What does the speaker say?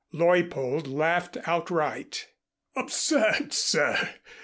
Leuppold laughed outright. "Absurd, sir.